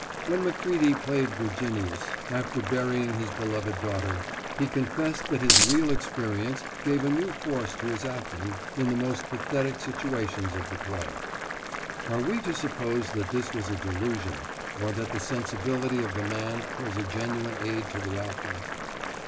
When Macready played Virginius, after burying his beloved daughter, he confessed that his real experience gave a new force to his acting in the most pathetic situations of the play. Are we to suppose that this was a delusion, or that the sensibility of the man was a genuine aid to the actor?